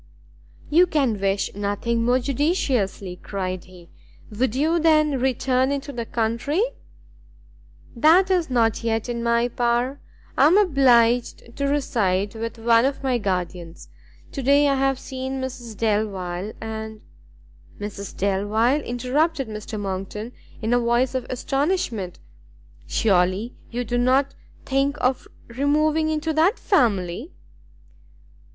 "You can wish nothing more judiciously," cried he; "would you, then, return into the country?" "That is not yet in my power; I am obliged to reside with one of my guardians. To day I have seen Mrs Delvile, and " "Mrs Delvile?" interrupted Mr Monckton, in a voice of astonishment. "Surely you do not think of removing into that family?"